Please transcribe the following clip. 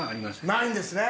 ないんですね？